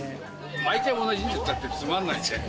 毎回同じのだってつまんないじゃん。